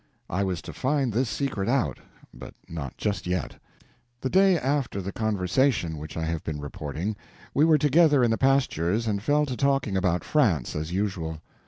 I was to find this secret out, but not just yet. The day after the conversation which I have been reporting we were together in the pastures and fell to talking about France, as usual.